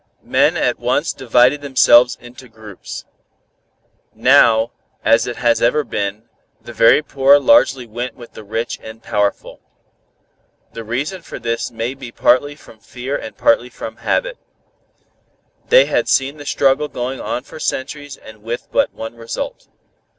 Men at once divided themselves into groups. Now, as it has ever been, the very poor largely went with the rich and powerful. The reason for this may be partly from fear and partly from habit. They had seen the struggle going on for centuries and with but one result.